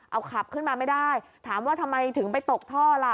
เอาขับขึ้นมาไม่ได้ถามว่าทำไมถึงไปตกท่อล่ะ